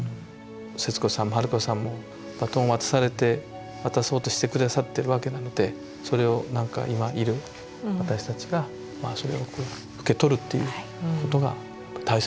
節子さんも春子さんもバトンを渡されて渡そうとして下さってるわけなのでそれをなんか今いる私たちがそれを受け取るっていうことが大切ですよね。